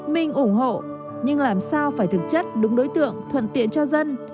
mình ủng hộ nhưng làm sao phải thực chất đúng đối tượng thuận tiện cho dân